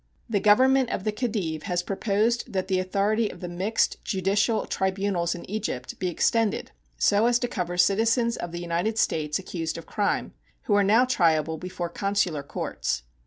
The Government of the Khedive has proposed that the authority of the mixed judicial tribunals in Egypt be extended so as to cover citizens of the United States accused of crime, who are now triable before consular courts.